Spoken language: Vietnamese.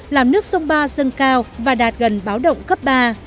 làm nước sông ba dâng cao và đạt gần báo động cấp ba